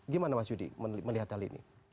gimana mas yudi melihat hal ini